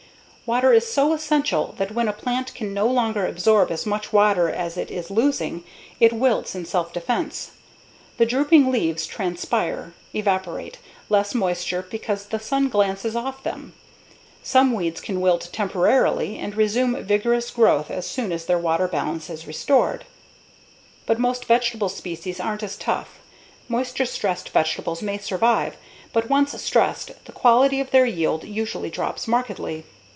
Water is so essential that when a plant can no longer absorb as much water as it is losing, it wilts in self defense. The drooping leaves transpire (evaporate) less moisture because the sun glances off them. Some weeds can wilt temporarily and resume vigorous growth as soon as their water balance is restored. But most vegetable species aren't as tough moisture stressed vegetables may survive, but once stressed, the quality of their yield usually drops markedly.